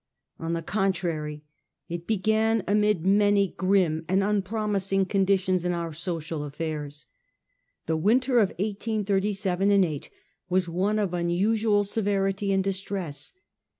On the contrary, it began amid many grim and unpromising conditions in our social affairs. The winter of 188 7 8 was one of unusual severity and distress.